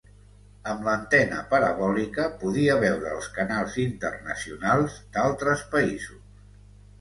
Amb l’antena parabòlica podia veure els canals internacionals d’altres països.